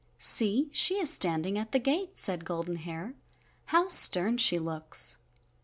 "See, she is standing at the gate," said Golden Hair. "How stern she looks."